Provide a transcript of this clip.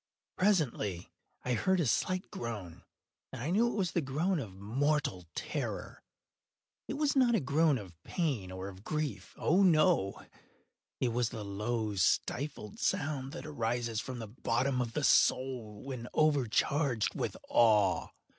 Presently I heard a slight groan, and I knew it was the groan of mortal terror. It was not a groan of pain or of grief—oh, no!—it was the low stifled sound that arises from the bottom of the soul when overcharged with awe.